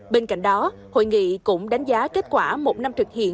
bên cạnh đó hội nghị cũng đánh giá kết quả một năm thực hiện